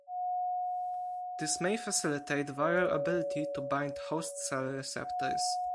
This may facilitate viral ability to bind host cell receptors.